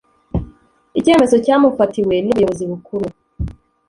Icyemezo cyamufatiwe n Ubuyobozi Bukuru